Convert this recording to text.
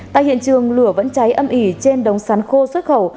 tại hiện trường lửa vẫn cháy âm ỉ trên đống sắn khô xuất khẩu